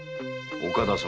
岡田様